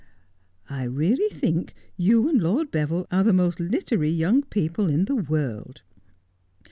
' I really think you and Lord Beville are the most littery young people in the world.'